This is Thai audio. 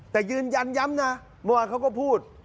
แต่ยืนยันย้ำนะเมื่อวานเขาก็พูด